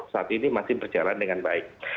saat ini masih berjalan dengan baik